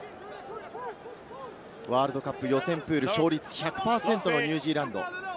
ワールドカップ予選プール勝率１００％のニュージーランド。